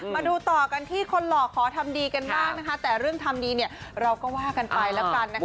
มาดูต่อกันที่คนหล่อขอทำดีกันบ้างนะคะแต่เรื่องทำดีเนี่ยเราก็ว่ากันไปแล้วกันนะคะ